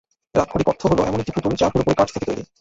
এর আক্ষরিক অর্থ হল এমন একটি পুতুল যা পুরোপুরি কাঠ থেকে তৈরি।